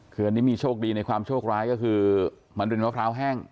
คืออันนี้มีโชคดีในความโชคร้ายก็คือมันเป็นมะพร้าวแห้ง